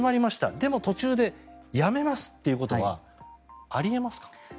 でも、途中でやめますってことはあり得ますか？